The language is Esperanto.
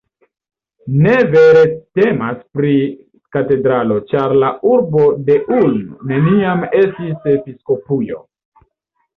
Ne vere temas pri katedralo, ĉar la urbo de Ulm, neniam estis episkopujo.